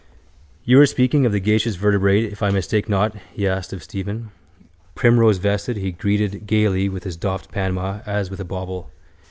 —You were speaking of the gaseous vertebrate, if I mistake not? he asked of Stephen. Primrosevested he greeted gaily with his doffed Panama as with a bauble.